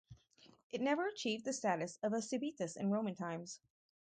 It never achieved the status of a civitas in Roman times.